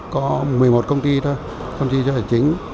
có một mươi một công ty thôi công ty cho thuê tài chính